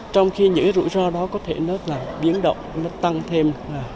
trong khi những rủi ro đó có thể biến động tăng thêm hai mươi ba mươi